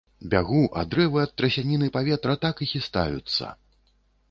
Бягу, а дрэвы ад трасяніны паветра так і хістаюцца.